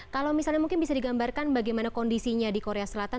kalau misalnya mungkin bisa digambarkan bagaimana kondisinya di korea selatan